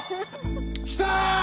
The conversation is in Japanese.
きた！